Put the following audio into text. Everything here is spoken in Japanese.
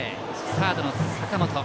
サードの坂本。